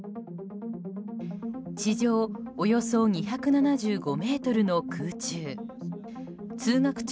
地上およそ２７５ｍの空中。